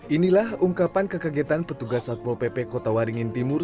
inilah ungkapan kekagetan petugas satpol pp kota waringin timur